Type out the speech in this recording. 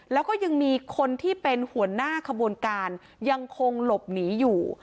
แล้วก็ยังมีคนที่เป็นหัวหน้าขบวนการยังคงหลบหนีอยู่